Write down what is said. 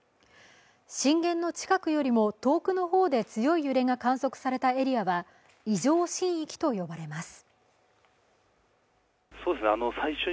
震源の近くよりも遠くの方で強い揺れが観測されたエリアは異常震域と呼ばれます。